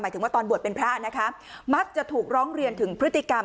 ถึงว่าตอนบวชเป็นพระนะคะมักจะถูกร้องเรียนถึงพฤติกรรม